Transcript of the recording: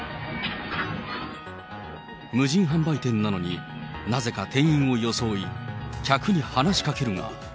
無人販売店なのに、なぜか店員を装い、客に話しかけるが。